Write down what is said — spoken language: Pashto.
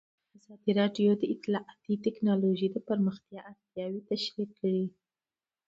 ازادي راډیو د اطلاعاتی تکنالوژي د پراختیا اړتیاوې تشریح کړي.